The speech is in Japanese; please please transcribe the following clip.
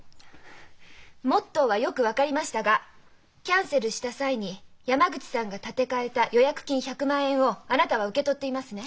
モットーはよく分かりましたがキャンセルした際に山口さんが立て替えた予約金１００万円をあなたは受け取っていますね？